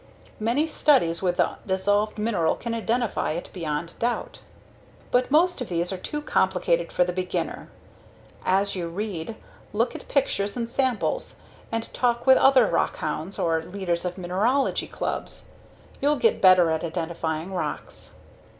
Many studies with the dissolved mineral can identify it beyond doubt. But most of these are too complicated for the beginner. As you read, look at pictures and samples, and talk with other rockhounds or leaders of mineralogy clubs, you'll get better at identifying rocks.